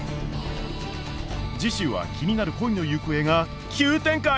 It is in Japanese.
次週は気になる恋の行方が急展開！